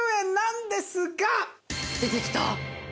出てきた。